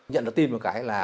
nhận được tin một cái là